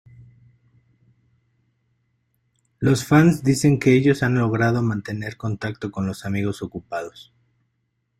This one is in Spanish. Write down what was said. Los fans dicen que ellos han logrado mantener contacto con los amigos ocupados.